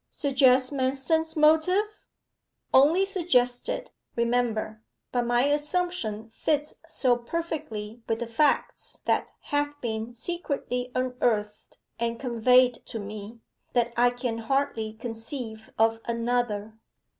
'Suggest Manston's motive?' 'Only suggest it, remember. But my assumption fits so perfectly with the facts that have been secretly unearthed and conveyed to me, that I can hardly conceive of another.